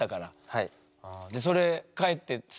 はい。